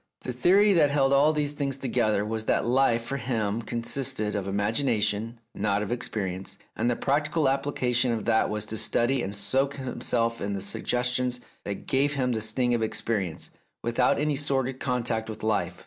The theory that held all these things together was that life for him consisted of imagination, not of experience, and the practical application of that was to study and soak himself in the suggestions that gave him the sting of experience, without any sordid contact with life.